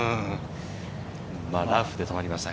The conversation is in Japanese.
ラフで止まりました。